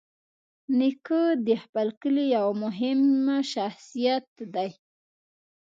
نیکه د خپل کلي یوه مهمه شخصیت دی.